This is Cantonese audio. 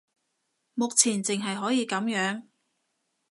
目前淨係可以噉樣